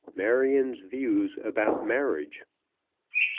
MARION'S VIEWS ABOUT MARRIAGE.